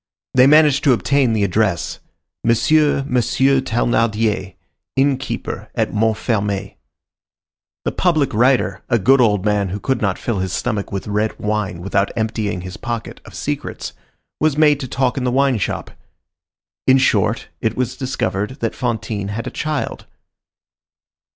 They managed to obtain the address: Monsieur, Monsieur Thénardier, inn keeper at Montfermeil. The public writer, a good old man who could not fill his stomach with red wine without emptying his pocket of secrets, was made to talk in the wine shop. In short, it was discovered that Fantine had a child.